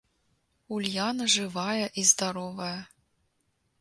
Ульяна жывая і здаровая.